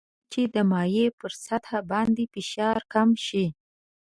هر څومره چې د مایع پر سطح باندې فشار کم شي.